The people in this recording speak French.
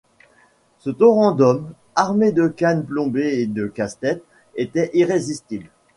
Ce torrent d’hommes, armés de cannes plombées et de casse-tête, était irrésistible.